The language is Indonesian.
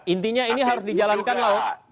intinya ini harus dijalankan lah